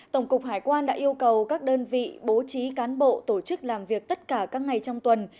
tổng cục hải quan đã yêu cầu các đơn vị bố trí cán bộ tổ chức làm việc tất cả các ngày trong tuần